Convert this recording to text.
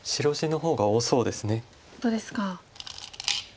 本当ですか。